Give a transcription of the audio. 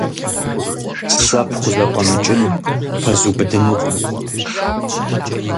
Сэ пхузэфӀэмыкӀын ппэзубыдынукъым.